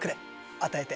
与えて。